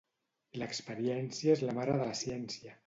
L'experiència és la mare de la ciència.